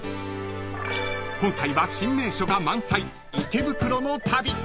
［今回は新名所が満載池袋の旅］